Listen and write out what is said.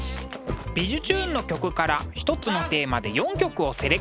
「びじゅチューン！」の曲から一つのテーマで４曲をセレクト。